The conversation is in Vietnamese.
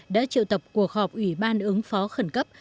đã triệu tập cuộc họp ủy ban ứng phó khẩn cấp